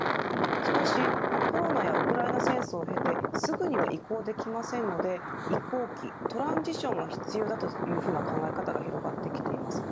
しかし、コロナやウクライナ戦争を経てすぐには移行できないので移行期、トランジションが必要だというふうな考え方が広がってきています。